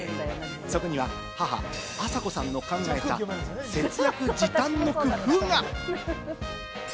そこには母・朝子さんの考えた節約、時短の工夫が。